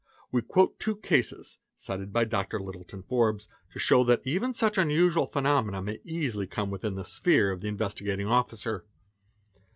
We quote two © cases, cited by Dr. Litton Forbes, to show that even such unusual pheno — mena may easily come within the sphere of the Investigating Officer.